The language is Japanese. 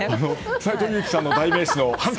斎藤佑樹さんの代名詞の。